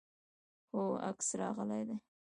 هو، عکس راغلی دی